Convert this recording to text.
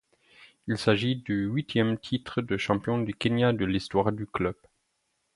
Il s’agit du huitième titre de champion du Kenya de l’histoire du club.